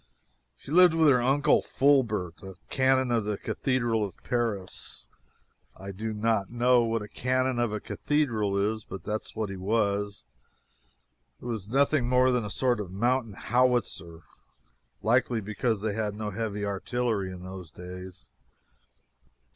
She lived with her uncle Fulbert, a canon of the cathedral of Paris. I do not know what a canon of a cathedral is, but that is what he was. He was nothing more than a sort of a mountain howitzer, likely, because they had no heavy artillery in those days.